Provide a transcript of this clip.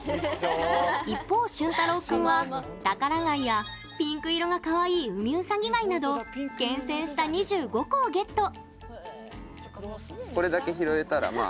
一方、しゅんたろう君はタカラガイやピンク色がかわいいウミウサギガイなど厳選した２５個をゲット！